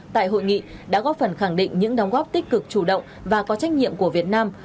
tại hội nghị đã góp phần khẳng định những đóng góp tích cực chủ động và có trách nhiệm của việt nam